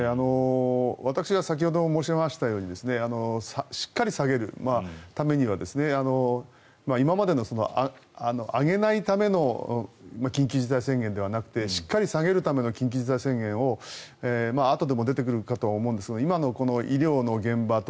私が先ほど申し上げましたようにしっかり下げるためには今までの、上げないための緊急事態宣言ではなくてしっかり下げるための緊急事態宣言をあとでも出てくるかと思いますが今の医療の現場